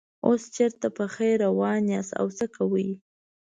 اوس چېرته په خیر روان یاست او څه کوئ.